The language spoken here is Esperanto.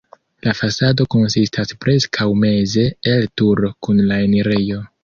La fasado konsistas preskaŭ meze el turo kun la enirejo.